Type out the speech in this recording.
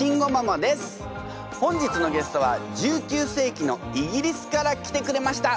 本日のゲストは１９世紀のイギリスから来てくれました！